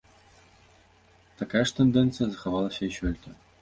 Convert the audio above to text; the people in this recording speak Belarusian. Такая ж тэндэнцыя захавалася і сёлета.